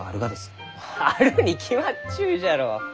あるに決まっちゅうじゃろ？